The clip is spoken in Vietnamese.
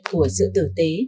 của sự tử tế